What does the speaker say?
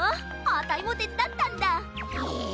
あたいもてつだったんだ！え！？